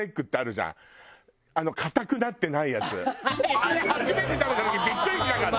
あれ初めて食べた時ビックリしなかった？